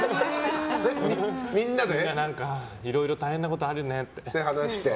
みんな何かいろいろ大変なことあるねって。